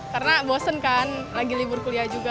karena bosen kan lagi libur kuliah juga